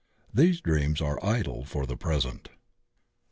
These dreams are idle for the present.